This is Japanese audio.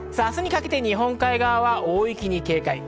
明日にかけて日本海側は大雪に警戒。